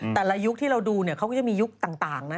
แต่ละยุคที่เราดูเขาก็จะมียุคต่างนะ